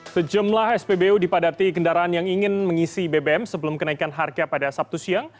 sejumlah spbu dipadati kendaraan yang ingin mengisi bbm sebelum kenaikan harga pada sabtu siang